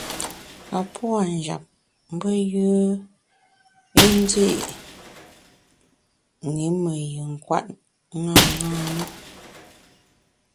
A puâ’ njap mbe yùe i ndi’ ṅi me yin kwet ṅaṅâ na.